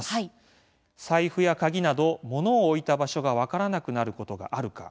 財布や鍵など物を置いた場所がわからなくなることがあるか。